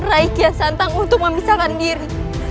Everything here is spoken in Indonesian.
raya kian santan untuk memisahkan diri